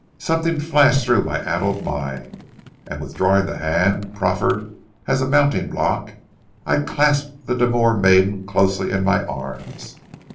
Something flashed through my addled mind, and, withdrawing the hand proffered as a mounting block, I clasped the demure maiden closely in my arms.